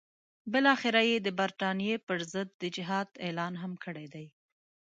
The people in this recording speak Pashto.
بالاخره یې د برټانیې پر ضد د جهاد اعلان هم کړی دی.